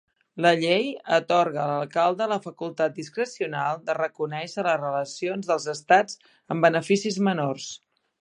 La llei atorga a l'alcalde la facultat discrecional de reconèixer les relacions dels estats amb beneficis menors.